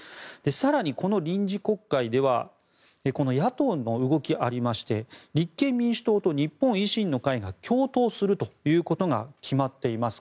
更に、この臨時国会ではこの野党の動きがありまして立憲民主党と日本維新の会が共闘するということが決まっています。